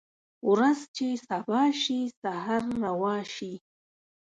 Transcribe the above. ورځ چې سبا شي سحر روا شي